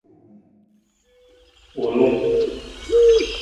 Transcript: Wulung.